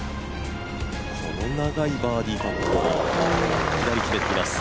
この長いバーディーパット、いきなり決めてきます。